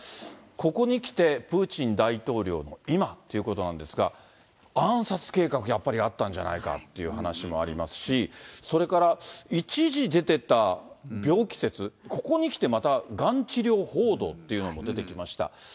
ここに来て、プーチン大統領の今ということなんですが、暗殺計画、やっぱりあったんじゃないかっていう話もありますし、それから、一時出てた病気説、ここに来てまた、がん治療報道っていうのも出てきました。